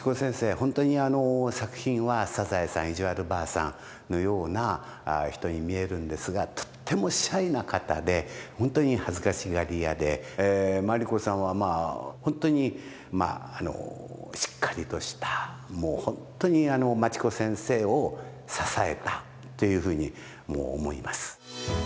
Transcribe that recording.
本当に作品は「サザエさん」「いじわるばあさん」のような人に見えるんですがとってもシャイな方で本当にはずかしがりやで鞠子さんはまあ本当にあのしっかりとした本当に町子先生を支えたというふうに思います。